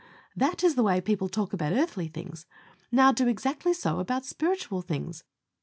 That is the way people talk about earthly things. Now, do exactly so about spiritual things.